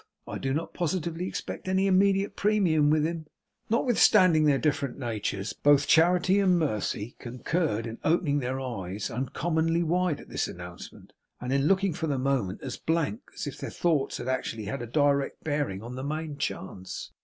I do not positively expect any immediate premium with him.' Notwithstanding their different natures, both Charity and Mercy concurred in opening their eyes uncommonly wide at this announcement, and in looking for the moment as blank as if their thoughts had actually had a direct bearing on the main chance.